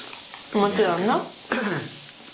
もちろんね。